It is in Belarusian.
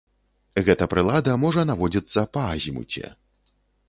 Гэта прылада можа наводзіцца па азімуце.